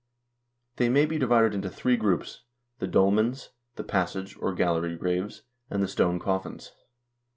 They may be divided into three groups : the dolmens, the passage or gallery graves, and the stone coffins.